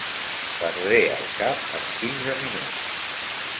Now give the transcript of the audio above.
Perdré el cap en quinze minuts.